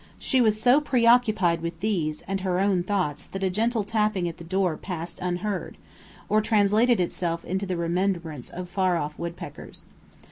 She was so preoccupied with these and her own thoughts that a gentle tapping at the door passed unheard, or translated itself into the remembrance of far off woodpeckers.